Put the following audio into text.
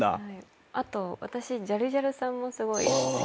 あと私ジャルジャルさんもすごい好きで。